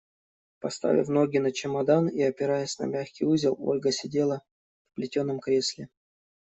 Поставив ноги на чемодан и опираясь на мягкий узел, Ольга сидела в плетеном кресле.